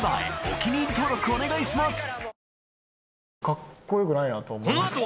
お気に入り登録お願いします